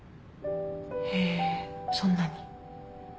へえそんなに。